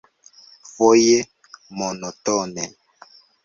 Foje monotone.